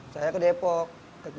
saya ke depok